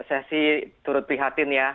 saya sih turut prihatin ya